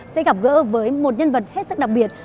sẽ gặp gỡ với một nhân vật hết sức đặc biệt